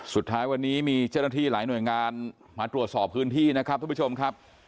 สุดท้ายวันนี้มีเจ้าหน้าที่หลายหน่วยงานมาตรวจสอบพื้นที่นะครับทุกผู้ชมครับ